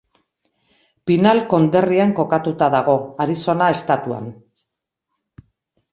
Pinal konderrian kokatuta dago, Arizona estatuan.